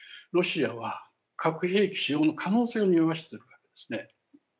ロシアは核兵器使用の可能性をにおわせてるわけですね。